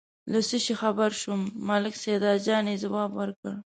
له څه شي خبر شوم، ملک سیدجان یې ځواب ورکړ.